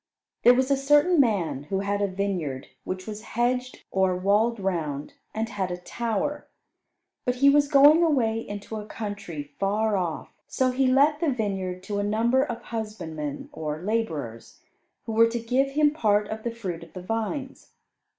There was a certain man who had a vineyard which was hedged or walled round, and had a tower. But he was going away into a country far off, so he let the vineyard to a number of husbandmen, or labourers, who were to give him part of the fruit of the vines.